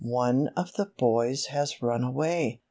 "One of the boys has run away!"